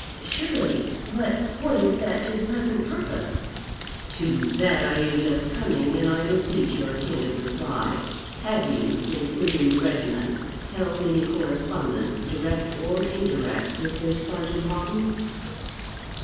'Surely; but what is that to the present purpose?' 'To that I am just coming, and I beseech your candid reply. Have you, since leaving the regiment, held any correspondence, direct or indirect, with this Sergeant Houghton?'